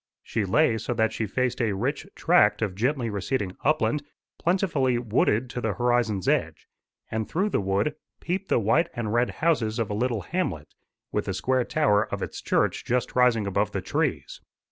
She lay so that she faced a rich tract of gently receding upland, plentifully wooded to the horizon's edge, and through the wood peeped the white and red houses of a little hamlet, with the square tower of its church just rising above the trees.